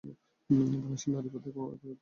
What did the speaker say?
বাংলাদেশে নারীবাদ একই অর্থ বহন করে।